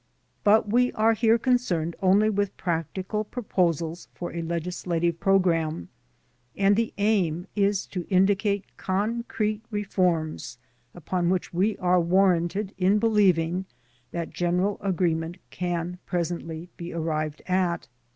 But we are here concerned only with practical proposals for a legislative program, and the aim is to indicate concrete reforms upon which we are warranted in believing that general agreement can presently be arrived at.